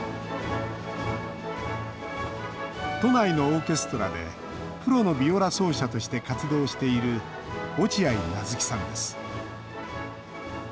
都内のオーケストラでプロのヴィオラ奏者として活動している落合なづきさんです。